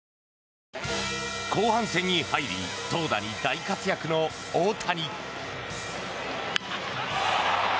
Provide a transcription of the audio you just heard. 後半戦に入り投打に大活躍の大谷。